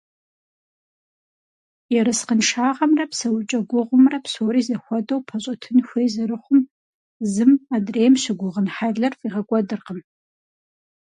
Ерыскъыншагъэмрэ псэукӏэ гугъумрэ псори зэхуэдэу пэщӏэтын хуей зэрыхъум зым адрейм щыгугъын хьэлыр фӏигъэкӏуэдыркъым.